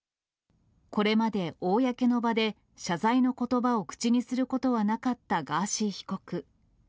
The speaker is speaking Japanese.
これまで公の場で謝罪のことばを口にすることはなかったガーシー被告。